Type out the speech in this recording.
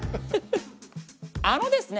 あのですね